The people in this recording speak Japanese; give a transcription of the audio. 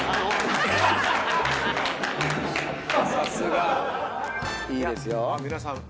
さすが。いいですよ。